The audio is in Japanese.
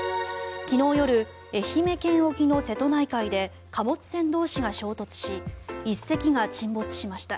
昨日夜、愛媛県沖の瀬戸内海で貨物船同士が衝突し１隻が沈没しました。